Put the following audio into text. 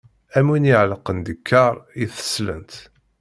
Am win iɛellqen ddekkaṛ i teslent.